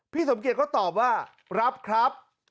พี่สมกีธก็ตอบว่ารับครับ